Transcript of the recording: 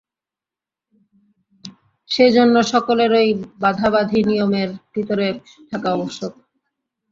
সেইজন্য সকলেরই বাঁধাবাঁধি নিয়মের ভিতরে থাকা আবশ্যক।